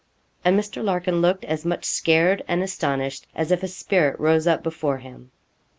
And Mr. Larkin looked as much scared and astonished as if a spirit rose up before him.